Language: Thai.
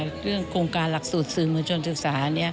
เรื่องโครงการหลักสูตรสื่อมวลชนศึกษา